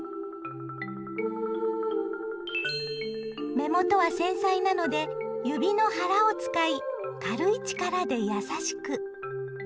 目元は繊細なので指の腹を使い軽い力で優しく。